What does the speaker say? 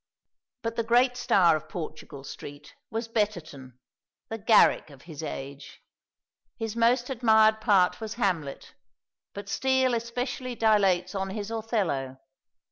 But the great star of Portugal Street was Betterton, the Garrick of his age. His most admired part was Hamlet; but Steele especially dilates on his Othello.